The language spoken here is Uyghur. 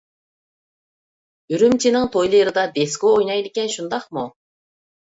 ئۈرۈمچىنىڭ تويلىرىدا دىسكو ئوينايدىكەن، شۇنداقمۇ؟